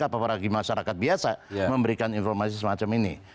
apalagi masyarakat biasa memberikan informasi semacam ini